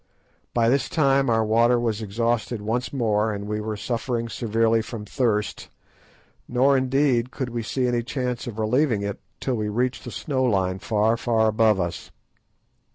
By this time our water was exhausted once more, and we were suffering severely from thirst, nor indeed could we see any chance of relieving it till we reached the snow line far, far above us.